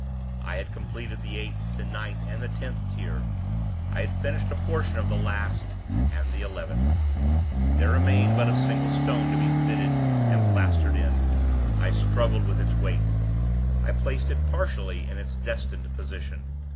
I had completed the eighth, the ninth, and the tenth tier. I had finished a portion of the last and the eleventh; there remained but a single stone to be fitted and plastered in. I struggled with its weight; I placed it partially in its destined position.